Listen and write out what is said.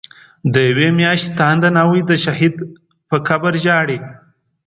دیوی میاشتی تانده ناوی، د شهید په قبر ژاړی